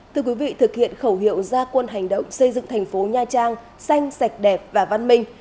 thưa quý vị thực hiện khẩu hiệu gia quân hành động xây dựng thành phố nha trang xanh sạch đẹp và văn minh